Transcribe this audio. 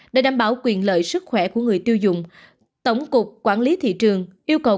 để đảm bảo quyền lợi sức khỏe của người tiêu dùng tổng cục quản lý thị trường yêu cầu